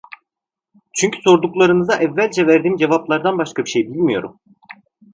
Çünkü sorduklarınıza evvelce verdiğim cevaplardan başka bir şey bilmiyorum.